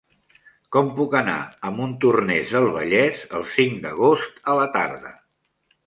Com puc anar a Montornès del Vallès el cinc d'agost a la tarda?